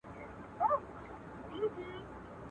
چي یې موږ ته دي جوړ کړي وران ویجاړ کلي د کونډو.